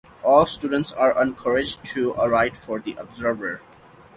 All students are encouraged to write for the "Observer".